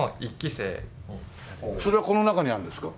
それはこの中にあるんですか？